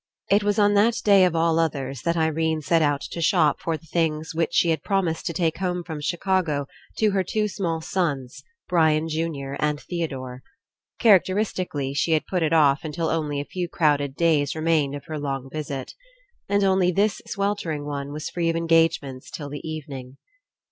It was on that day of all others that Irene set out to shop for the things which she had promised to take home from Chicago to her two small sons, Brian junior and Theo dore. Characteristically, she had put it off un lO ENCOUNTER til only a few crowded days remained of her long visit. And only this sweltering one was free of engagements till the evening.